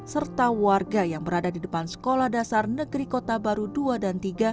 serta warga yang berada di depan sekolah dasar negeri kota baru dua dan tiga